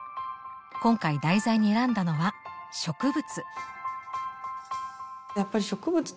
今回題材に選んだのは「植物」。